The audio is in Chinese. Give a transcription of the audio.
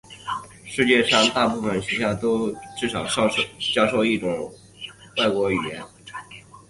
世界上大部分学校都至少教授一种外国语言。